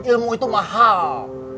ilmu itu mahal